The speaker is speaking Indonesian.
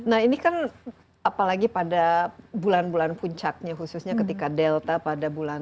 nah ini kan apalagi pada bulan bulan puncaknya khususnya ketika delta pada bulan